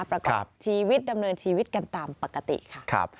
ประกอบชีวิตดำเนินชีวิตกันตามปกติค่ะ